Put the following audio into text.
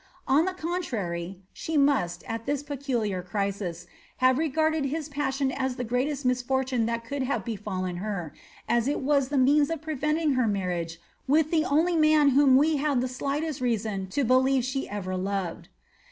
Oq the contrary, she must, at this peculiar crisis, have regarded his pas sion as the greatest misfortune that could have be&llen her, as it was ike means of preventing her marriage with the only man whom we have the slightest reason to believe she ever loved.